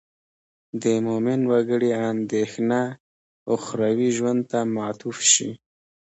د مومن وګړي اندېښنه اخروي ژوند ته معطوف شي.